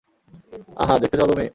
আহা, দেখতে চাও তুমি?